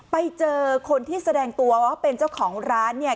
ไปเจอคนที่แสดงตัวว่าเป็นเจ้าของร้านเนี่ย